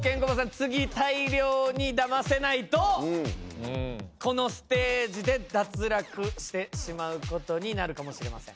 次大量に騙せないとこのステージで脱落してしまうことになるかもしれません。